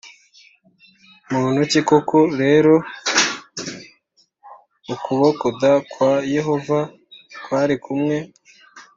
muntu ki Koko rero ukuboko d kwa Yehova kwari kumwe